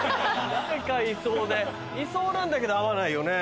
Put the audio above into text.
誰かいそうでいそうなんだけど会わないよね。